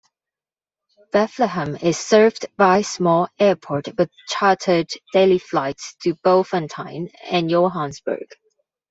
Bethlehem is served by small airport with chartered daily flights to Bloemfontein and Johannesburg.